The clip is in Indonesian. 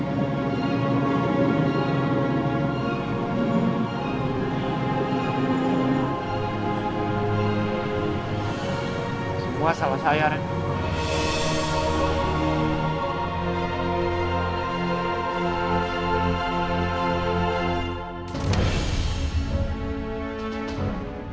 semua salah saya ren